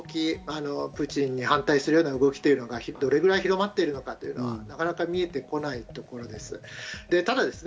全体の中でそういう動き、プーチンに反対する動きというのがどれくらい広まっているのか、なかなか見えてこないところです。